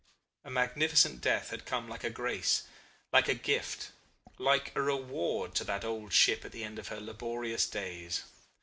A magnificent death had come like a grace, like a gift, like a reward to that old ship at the end of her laborious days.